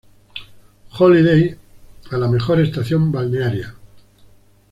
Holiday"" a la mejor estación balnearia.